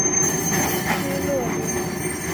施乐灵。